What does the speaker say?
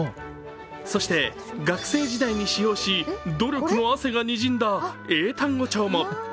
そして学生時代に使用し努力の汗がにじんだ英単語帳も。